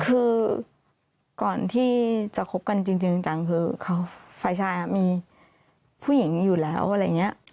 คือก่อนที่จะคบกันจริงจังคือฝ่ายชายมีผู้หญิงอยู่แล้วอะไรอย่างนี้